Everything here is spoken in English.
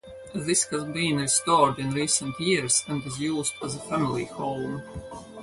This has been restored in recent years and is used as a family home.